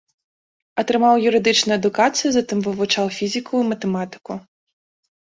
Атрымаў юрыдычную адукацыю, затым вывучаў фізіку і матэматыку.